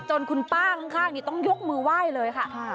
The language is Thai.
จนคุณป้าข้างนี่ต้องยกมือไหว้เลยค่ะค่ะ